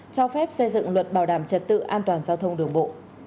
cho phép xây dựng luật bảo đảm trật tự an toàn giao thông đường bộ